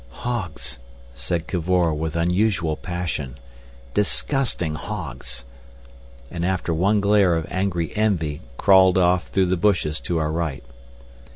"Hogs!" said Cavor, with unusual passion. "Disgusting hogs!" and after one glare of angry envy crawled off through the bushes to our right.